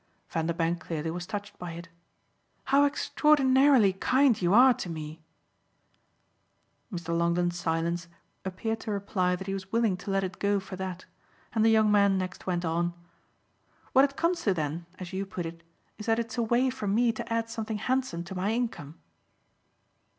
Vanderbank clearly was touched by it. "How extraordinarily kind you are to me!" Mr. Longdon's silence appeared to reply that he was willing to let it go for that, and the young man next went on: "What it comes to then as you put it is that it's a way for me to add something handsome to my income."